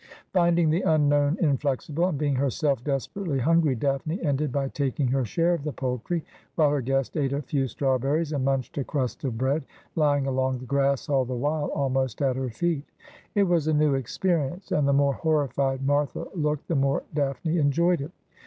Finding the unknown inflexible, and being herself desperately hungry. Daphne ended by taking her share of the poultry, while her guest ate a few strawberries and munched a crust of bread, lying along the grass all the while, almost at her feet. It was a 'And She ivas Fair as is the Rose in 31a i/.' 13 new experience, and the more horrified Martha looked the more Daphne enjoyed it.